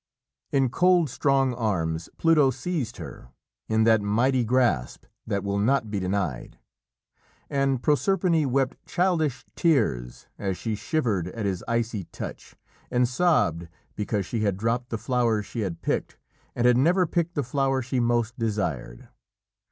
'" In cold, strong arms Pluto seized her in that mighty grasp that will not be denied, and Proserpine wept childish tears as she shivered at his icy touch, and sobbed because she had dropped the flowers she had picked, and had never picked the flower she most desired.